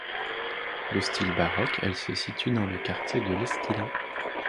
De style baroque, elle se situe dans le quartier de l'Esquilin.